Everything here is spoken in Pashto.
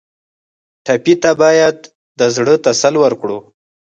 ټپي ته باید د زړه تسل ورکړو.